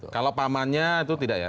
kalau pamannya itu tidak ya